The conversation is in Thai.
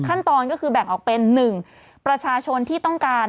ขั้นตอนก็คือแบ่งออกเป็น๑ประชาชนที่ต้องการ